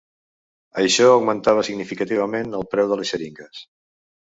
Això augmentava significativament el preu de les xeringues.